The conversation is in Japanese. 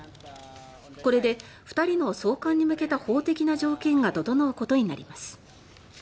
これで２人の送還に向けた法的な条件が整うことになります。